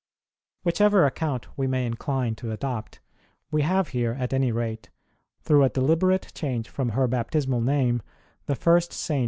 Whichever account we may incline to adopt, we have here, at any rate, through a deliberate change from her baptismal name, the first Saint PROLOGUE: BIRTH AND BAPTISM OF ST.